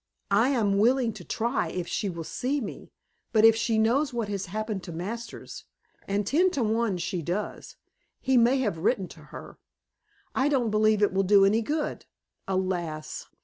"I am willing to try, if she will see me. But if she knows what has happened to Masters and ten to one she does he may have written to her I don't believe it will do any good. Alas!